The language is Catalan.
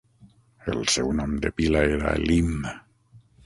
El seu nom de pila era Elim.